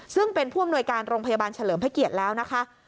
ซึ่งเป็นผู้อำนวยการโรงพยาบาลเฉลิมพระเกียรติแล้วนะคะ